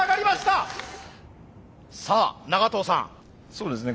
そうですね